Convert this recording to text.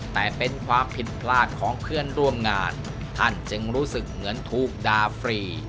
แต่เป็นความผิดพลาดของเพื่อนร่วมงานท่านจึงรู้สึกเหมือนถูกดาฟรี